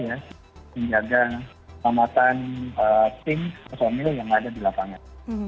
ini adalah penjagaan kecamatan tim somil yang ada di lapangan